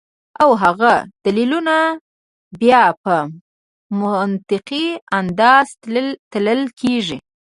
او هغه دليلونه بیا پۀ منطقي انداز تللے کيږي